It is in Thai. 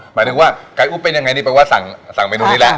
หมายถึงว่าไก่อุ๊บเป็นยังไงนี่แปลว่าสั่งเมนูนี้แหละ